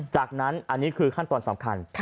จากนั้นอันนี้คือขั้นตอนสำคัญ